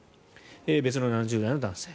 別の７０代の男性。